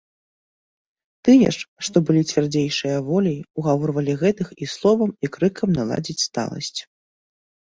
Тыя ж, што былі цвярдзейшыя воляй, угаворвалі гэтых і словам і крыкам наладзіць сталасць.